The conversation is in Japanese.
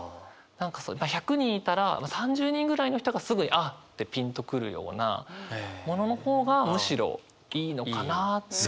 何か１００人いたら３０人ぐらいの人がすぐに「あ！」ってピンとくるようなものの方がむしろいいのかなって。